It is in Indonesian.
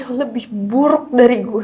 etwas yang lebih buruk dari gue